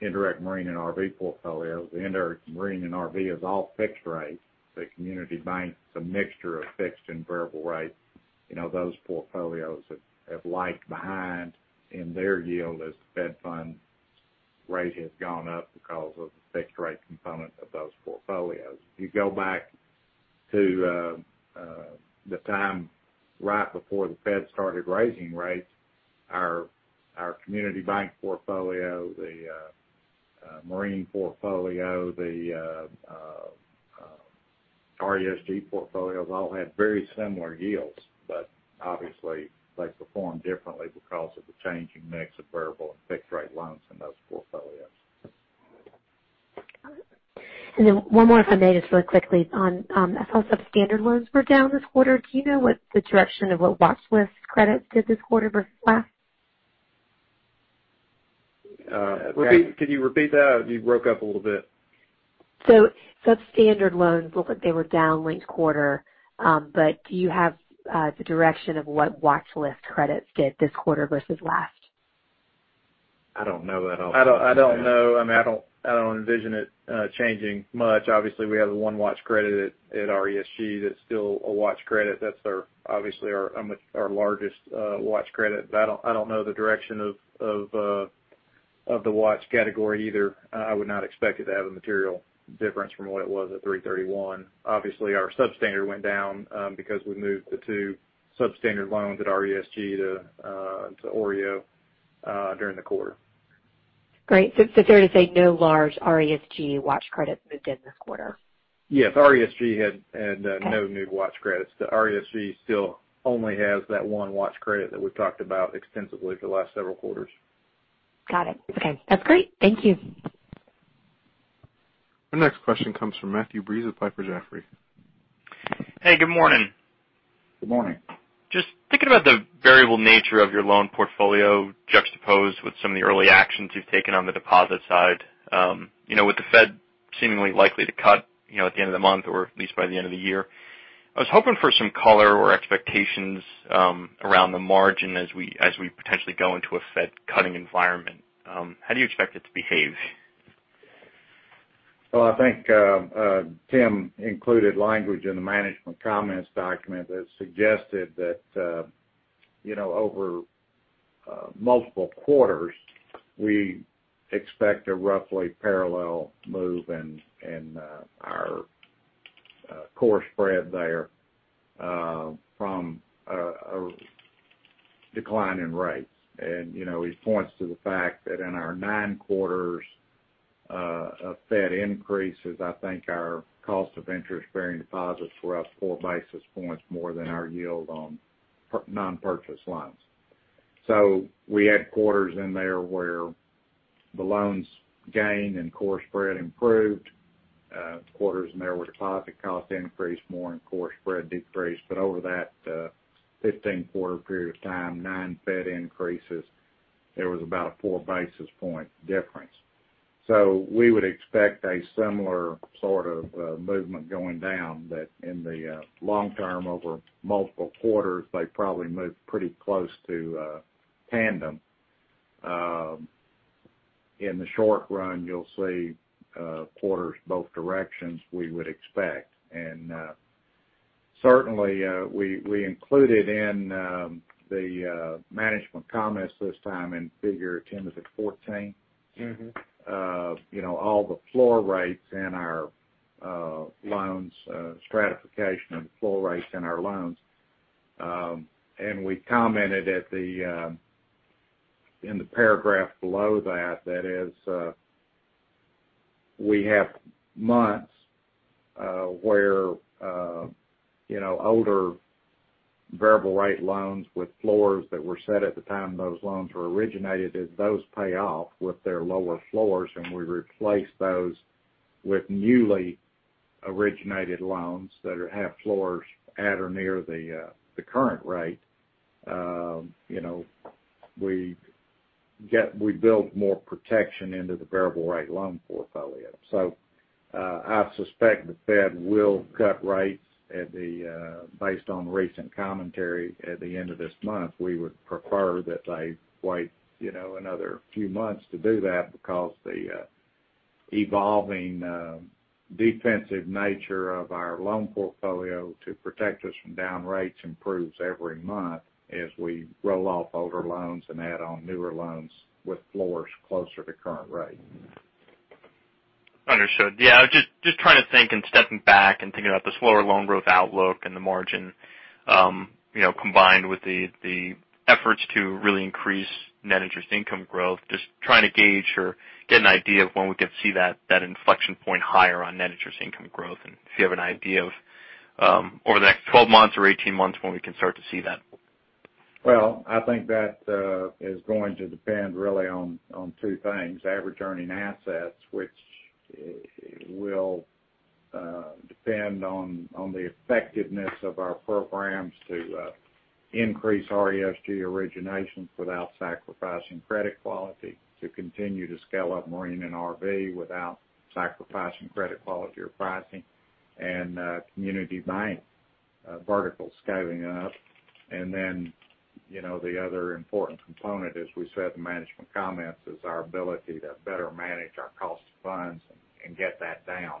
indirect marine and RV portfolios, the indirect marine and RV is all fixed-rate. The community bank's a mixture of fixed and variable-rate. Those portfolios have lagged behind in their yield as the fed fund rate has gone up because of the fixed-rate component of those portfolios. If you go back to the time right before the Fed started raising rates, our community bank portfolio, the marine portfolio, the RESG portfolios all had very similar yields. Obviously, they perform differently because of the changing mix of variable and fixed-rate loans in those portfolios. Got it. One more if I may, just really quickly. I saw substandard loans were down this quarter. Do you know what the direction of what watch list credits did this quarter versus last? Could you repeat that? You broke up a little bit. Substandard loans, it looked like they were down linked quarter. Do you have the direction of what watch list credits did this quarter versus last? I don't know that off the top of my head. I don't know. I don't envision it changing much. Obviously, we have the one watch credit at RESG that's still a watch credit. That's obviously our largest watch credit. I don't know the direction of the watch category either. I would not expect it to have a material difference from what it was at 331. Obviously, our substandard went down because we moved the two substandard loans at RESG to OREO during the quarter. Great. Fair to say no large RESG watch credits moved in this quarter? Yes. RESG had no new watch credits. The RESG still only has that one watch credit that we've talked about extensively for the last several quarters. Got it. Okay. That's great. Thank you. Our next question comes from Matthew Breese with Piper Jaffray. Hey, good morning. Good morning. Just thinking about the variable nature of your loan portfolio juxtaposed with some of the early actions you've taken on the deposit side. With the Fed seemingly likely to cut, at the end of the month or at least by the end of the year, I was hoping for some color or expectations around the margin as we potentially go into a Fed-cutting environment. How do you expect it to behave? Well, I think Tim included language in the management comments document that suggested that over multiple quarters, we expect a roughly parallel move in our core spread there from a decline in rates. He points to the fact that in our nine quarters of Fed increases, I think our cost of interest-bearing deposits were up four basis points more than our yield on non-purchase loans. We had quarters in there where the loans gained and core spread improved, quarters in there where deposit cost increased more and core spread decreased. Over that 15-quarter period of time, nine Fed increases, there was about a four-basis point difference. We would expect a similar sort of movement going down, that in the long term, over multiple quarters, they probably move pretty close to tandem. In the short run, you'll see quarters both directions, we would expect. Certainly, we included in the management comments this time in Figure, Tim, is it 14? All the floor rates in our loans, stratification of the floor rates in our loans. We commented in the paragraph below that is, we have months where older variable-rate loans with floors that were set at the time those loans were originated, as those pay off with their lower floors, and we replace those with newly originated loans that have floors at or near the current rate. We build more protection into the variable-rate loan portfolio. I suspect the Fed will cut rates based on recent commentary at the end of this month. We would prefer that they wait another few months to do that because the evolving defensive nature of our loan portfolio to protect us from down rates improves every month as we roll off older loans and add on newer loans with floors closer to current rate. Understood. Yeah, just trying to think and stepping back and thinking about the slower loan growth outlook and the margin, combined with the efforts to really increase net interest income growth, just trying to gauge or get an idea of when we could see that inflection point higher on net interest income growth, and if you have an idea of over the next 12 months or 18 months when we can start to see that? Well, I think that is going to depend really on two things. Average earning assets, which will depend on the effectiveness of our programs to increase RESG originations without sacrificing credit quality, to continue to scale up marine and RV without sacrificing credit quality or pricing, and community bank vertical scaling up. Then, the other important component, as we said in the management comments, is our ability to better manage our cost of funds and get that down.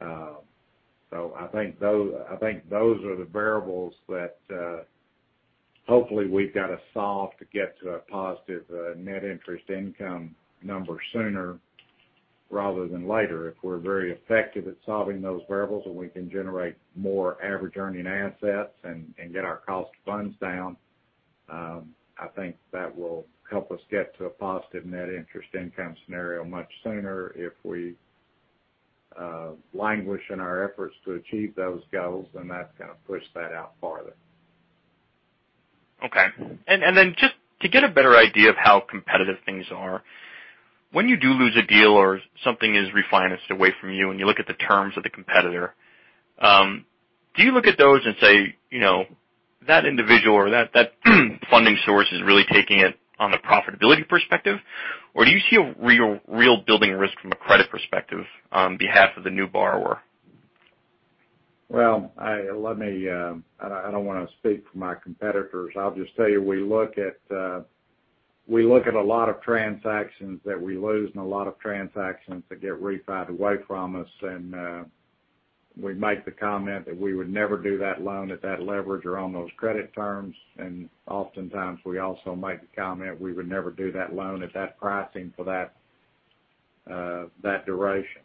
I think those are the variables that hopefully we've got to solve to get to a positive net interest income number sooner rather than later. If we're very effective at solving those variables and we can generate more average earning assets and get our cost of funds down, I think that will help us get to a positive net interest income scenario much sooner. If we languish in our efforts to achieve those goals, then that's going to push that out farther. Okay. Then just to get a better idea of how competitive things are, when you do lose a deal or something is refinanced away from you and you look at the terms of the competitor, do you look at those and say, that individual or that funding source is really taking it on the profitability perspective? Or do you see a real building risk from a credit perspective on behalf of the new borrower? Well, I don't want to speak for my competitors. I'll just tell you, we look at a lot of transactions that we lose and a lot of transactions that get refied away from us, and we make the comment that we would never do that loan at that leverage or on those credit terms. Oftentimes, we also make the comment, we would never do that loan at that pricing for that duration.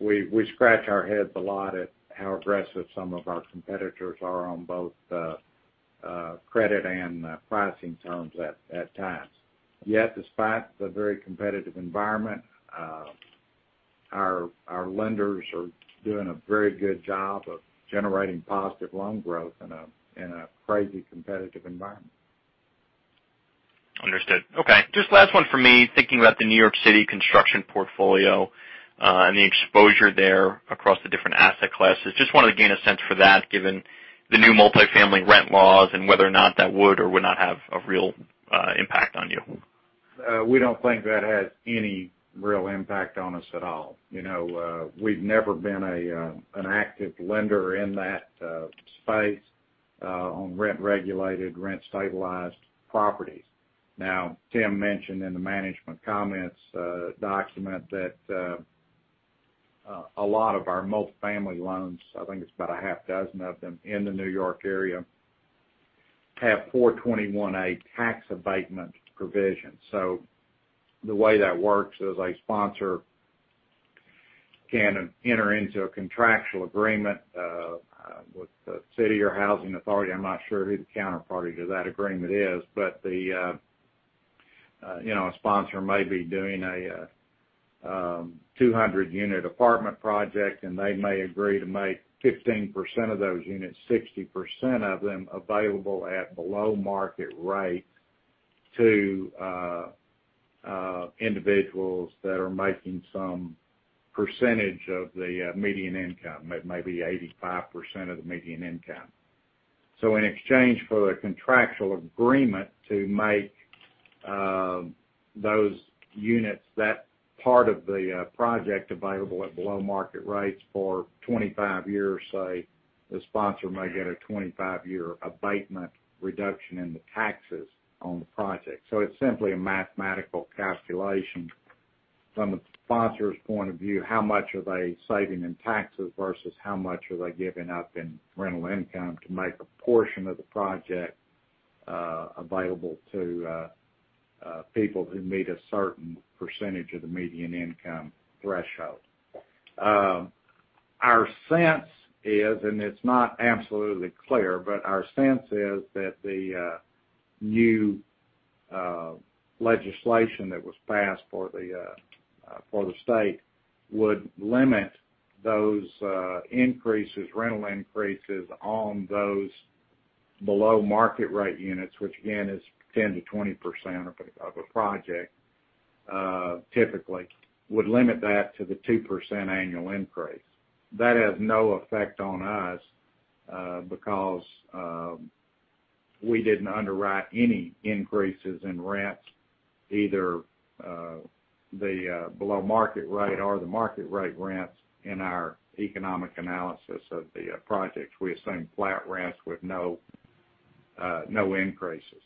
We scratch our heads a lot at how aggressive some of our competitors are on both credit and pricing terms at times. Yet, despite the very competitive environment, our lenders are doing a very good job of generating positive loan growth in a crazy competitive environment. Understood. Okay. Just last one for me, thinking about the New York City construction portfolio, and the exposure there across the different asset classes. Just wanted to gain a sense for that, given the new multifamily rent laws and whether or not that would or would not have a real impact on you. We don't think that has any real impact on us at all. We've never been an active lender in that space on rent-regulated, rent-stabilized properties. Tim mentioned in the management comments document that a lot of our multifamily loans, I think it's about a half dozen of them in the New York area, have 421-a tax abatement provisions. The way that works is a sponsor can enter into a contractual agreement with the city or housing authority. I'm not sure who the counterparty to that agreement is, but a sponsor may be doing a 200-unit apartment project, and they may agree to make 15% of those units, 60% of them available at below-market rate to individuals that are making some percentage of the median income, maybe 85% of the median income. In exchange for the contractual agreement to make those units, that part of the project available at below-market rates for 25 years, say, the sponsor may get a 25-year abatement reduction in the taxes on the project. It's simply a mathematical calculation from the sponsor's point of view, how much are they saving in taxes versus how much are they giving up in rental income to make a portion of the project available to people who meet a certain percentage of the median income threshold. Our sense is, and it's not absolutely clear, but our sense is that the new legislation that was passed for the state would limit those increases, rental increases on those below-market rate units, which again, is 10%-20% of a project, typically, would limit that to the 2% annual increase. That has no effect on us, because, we didn't underwrite any increases in rents, either the below-market rate or the market rate rents in our economic analysis of the projects. We assume flat rents with no increases.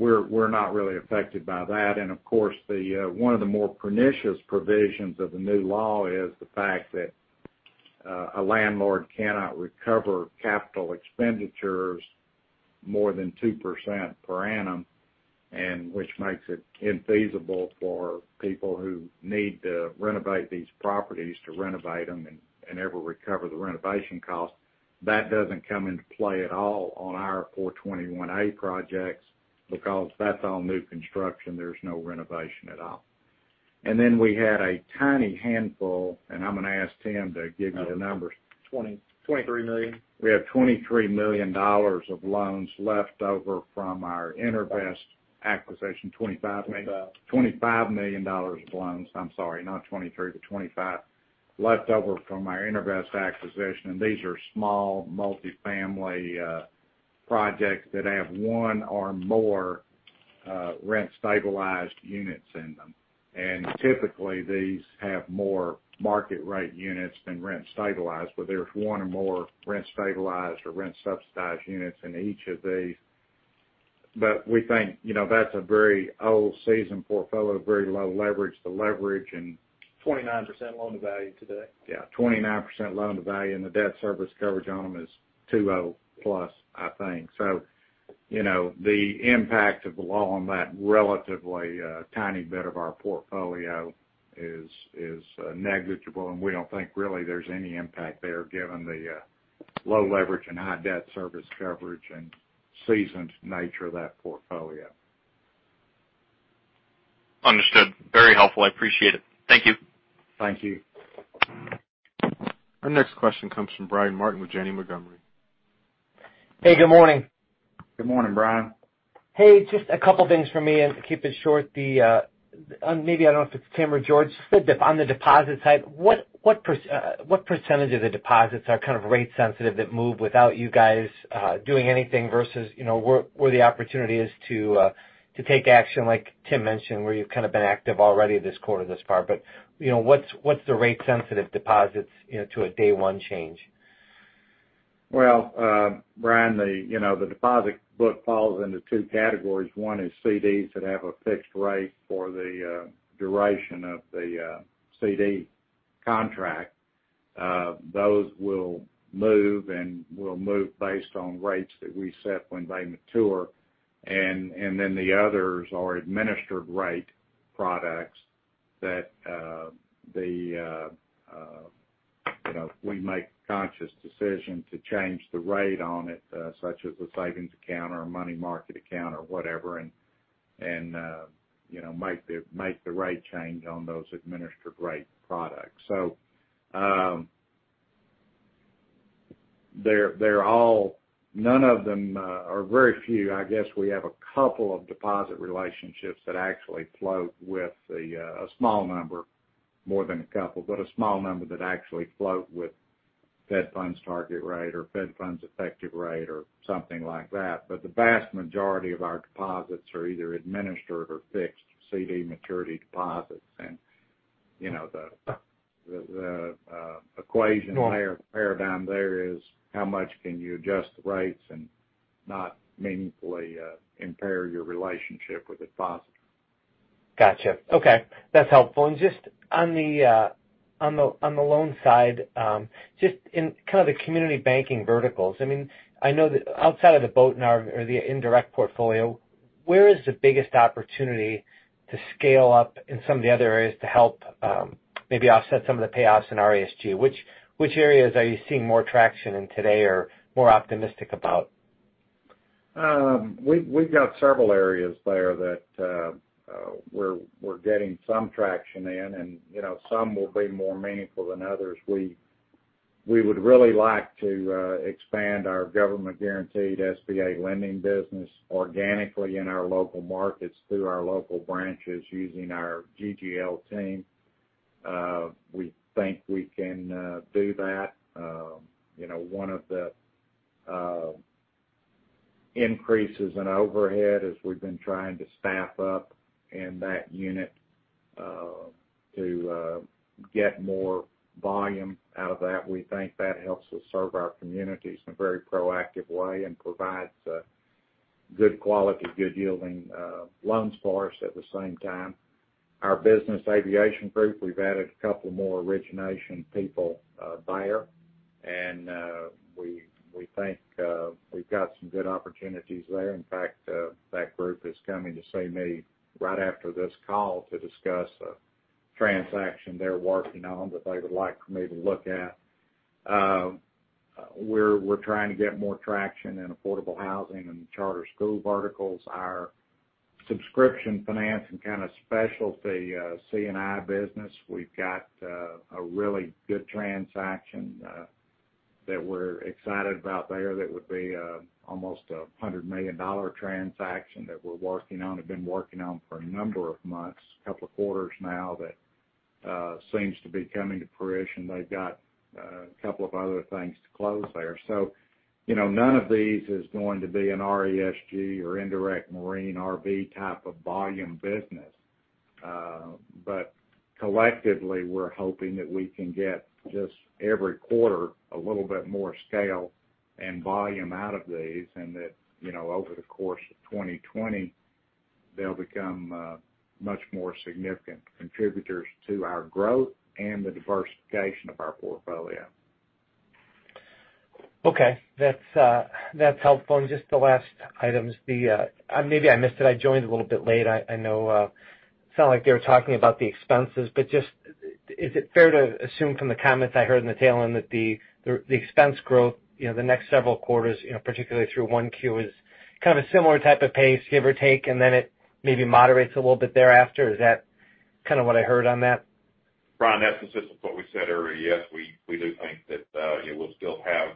We're not really affected by that. Of course, one of the more pernicious provisions of the new law is the fact that a landlord cannot recover capital expenditures more than 2% per annum, and which makes it infeasible for people who need to renovate these properties to renovate them and ever recover the renovation cost. That doesn't come into play at all on our 421-a projects because that's all new construction. There's no renovation at all. We had a tiny handful, and I'm going to ask Tim to give you the numbers. $23 million. We have $23 million of loans left over from our Intervest acquisition. $25 maybe. $25 million of loans. I'm sorry, not 23, but 25 left over from our Intervest acquisition. These are small multifamily projects that have one or more rent-stabilized units in them. Typically, these have more market rate units than rent stabilized, but there's one or more rent-stabilized or rent-subsidized units in each of these. We think that's a very old seasoned portfolio, very low leverage. The leverage in- 29% loan-to-value today. Yeah, 29% loan-to-value, the debt service coverage on them is 2.0+, I think. The impact of the law on that relatively tiny bit of our portfolio is negligible, we don't think really there's any impact there given the low leverage and high debt service coverage and seasoned nature of that portfolio. Understood. Very helpful. I appreciate it. Thank you. Thank you. Our next question comes from Brian Martin with Janney Montgomery. Hey, good morning. Good morning, Brian. Hey, just a couple of things from me and to keep it short. Maybe I don't know if it's Tim or George, just on the deposit side, what percentage of the deposits are kind of rate sensitive that move without you guys doing anything versus where the opportunity is to take action, like Tim mentioned, where you've kind of been active already this quarter this far. What's the rate sensitive deposits to a day one change? Brian, the deposit book falls into two categories. One is CDs that have a fixed-rate for the duration of the CD contract. Those will move and will move based on rates that we set when they mature. Then the others are administered-rate products that we make conscious decision to change the rate on it, such as a savings account or a money market account or whatever, and make the rate change on those administered-rate products. None of them, or very few, I guess we have a couple of deposit relationships that actually float with a small number, more than a couple, but a small number that actually float with fed funds target rate or fed funds effective rate or something like that. The vast majority of our deposits are either administered or fixed CD maturity deposits. The equation there, paradigm there is how much can you adjust the rates and not meaningfully impair your relationship with the depositor. Got you. Okay. Just on the loan side, just in kind of the community banking verticals. I know that outside of the boat or the indirect portfolio, where is the biggest opportunity to scale up in some of the other areas to help maybe offset some of the payoffs in RESG? Which areas are you seeing more traction in today or more optimistic about? We've got several areas there that we're getting some traction in, and some will be more meaningful than others. We would really like to expand our government-guaranteed SBA lending business organically in our local markets through our local branches using our GGL team. We think we can do that. One of the increases in overhead as we've been trying to staff up in that unit to get more volume out of that. We think that helps us serve our communities in a very proactive way and provides good-quality, good-yielding loans for us at the same time. Our Business Aviation Group, we've added a couple more origination people there, and we think we've got some good opportunities there. In fact, that group is coming to see me right after this call to discuss a transaction they're working on that they would like for me to look at. We're trying to get more traction in affordable housing and charter school verticals. Our subscription finance and kind of specialty C&I business, we've got a really good transaction that we're excited about there that would be almost a $100 million transaction that we're working on and been working on for a number of months, a couple of quarters now, that seems to be coming to fruition. They've got a couple of other things to close there. None of these is going to be an RESG or indirect marine RV type of volume business. Collectively, we're hoping that we can get just every quarter, a little bit more scale and volume out of these, and that over the course of 2020, they'll become much more significant contributors to our growth and the diversification of our portfolio. Okay. That's helpful. Just the last items. Maybe I missed it. I joined a little bit late. I know it sound like they were talking about the expenses, but just is it fair to assume from the comments I heard in the tail end that the expense growth the next several quarters, particularly through 1Q, is kind of a similar type of pace, give or take, and then it maybe moderates a little bit thereafter? Is that kind of what I heard on that? Brian, that's consistent with what we said earlier. Yes, we do think that we'll still have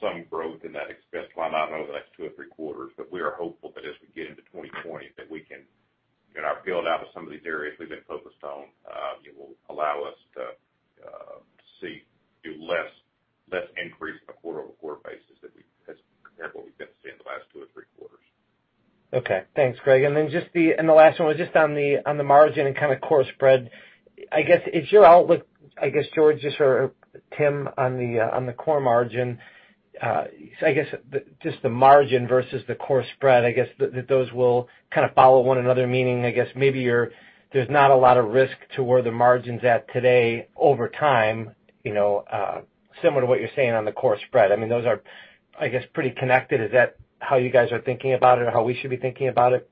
some growth in that expense line item over the next two or three quarters. We are hopeful that as we get into 2020, that we can, in our build out of some of these areas we've been focused on, it will allow us to see less increase on a quarter-over-quarter basis compared to what we've been seeing the last two or three quarters. Okay, thanks, Greg. The last one was just on the margin and kind of core spread. I guess, is your outlook, I guess George or Tim, on the core margin? I guess just the margin versus the core spread, I guess that those will kind of follow one another, meaning, I guess maybe there's not a lot of risk to where the margin's at today over time, similar to what you're saying on the core spread. Those are, I guess, pretty connected. Is that how you guys are thinking about it or how we should be thinking about it?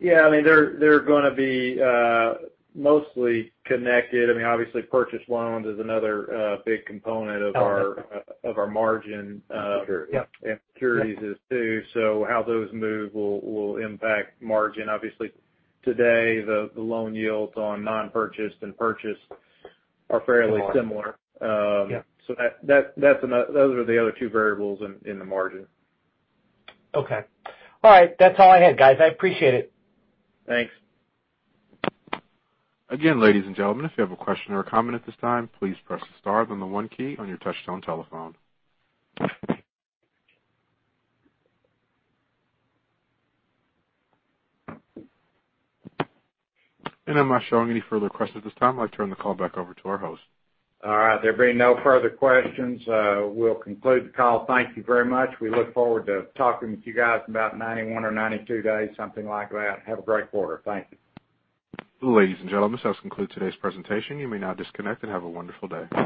Yeah, they're going to be mostly connected. Obviously, purchase loans is another big component of our margin. Sure. Yep. Securities is, too. How those move will impact margin. Today, the loan yields on non-purchased and purchased are fairly similar. Yeah. Those are the other two variables in the margin. Okay. All right. That's all I had, guys. I appreciate it. Thanks. Ladies and gentlemen, if you have a question or a comment at this time, please press the star then the one key on your touch-tone telephone. I'm not showing any further questions at this time. I'd like to turn the call back over to our host. All right. There being no further questions, we'll conclude the call. Thank you very much. We look forward to talking with you guys in about 91 or 92 days, something like that. Have a great quarter. Thank you. Ladies and gentlemen, this does conclude today's presentation. You may now disconnect and have a wonderful day.